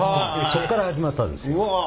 そっから始まったんですよ。